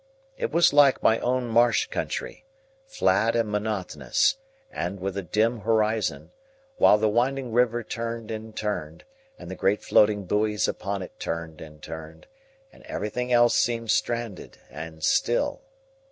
It was like my own marsh country, flat and monotonous, and with a dim horizon; while the winding river turned and turned, and the great floating buoys upon it turned and turned, and everything else seemed stranded and still.